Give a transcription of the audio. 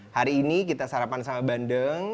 hari ini kita sarapan sama bandeng